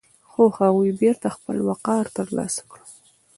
خو هغوی بېرته خپل وقار ترلاسه کړ.